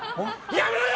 やめろよ！